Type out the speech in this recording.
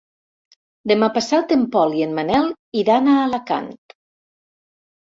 Demà passat en Pol i en Manel iran a Alacant.